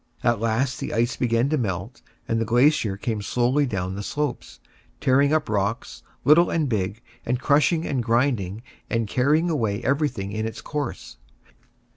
At last the ice began to melt, and the glacier came slowly down the slopes, tearing up rocks, little and big, and crushing and grinding and carrying away everything in its course.